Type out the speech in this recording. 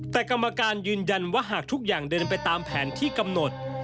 แต่กรรมการยืนยันว่าหากทุกอย่างเดินไปตามแผนที่กำหนด